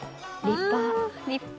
立派。